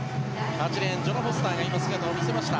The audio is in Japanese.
８レーンジェナ・フォレスターが今、姿を見せました。